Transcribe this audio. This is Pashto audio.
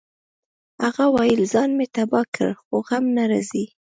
هغه ویل ځان مې تباه کړ خو غم نه راځي